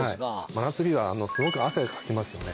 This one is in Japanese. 真夏日はすごく汗かきますよね。